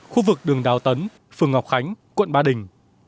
khu vực đường đào tấn phường ngọc khánh quận ba đình